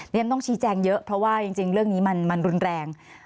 ฉันต้องชี้แจงเยอะเพราะว่าจริงเรื่องนี้มันรุนแรง